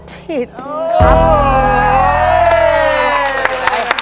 ผิดครับ